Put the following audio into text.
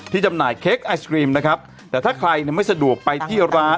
จำหน่ายเค้กไอศครีมนะครับแต่ถ้าใครไม่สะดวกไปที่ร้าน